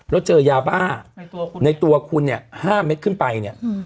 แล้วเจอยาบ้าในตัวคุณเนี่ย๕เม็ดขึ้นไปเนี่ย